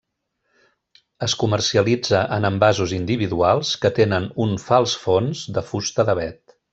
Es comercialitza en envasos individuals que tenen un fals fons de fusta d'avet.